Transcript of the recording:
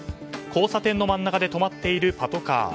交差点の真ん中で止まっているパトカー。